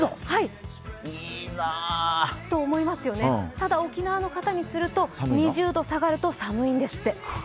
いいなただ沖縄の方にすると２０度下がると寒いんですって。